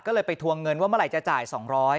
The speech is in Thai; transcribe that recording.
ก็เลยไปทวงเงินว่าเมื่อไหร่จะจ่าย๒๐๐บาท